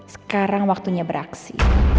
sekarang waktunya beraksi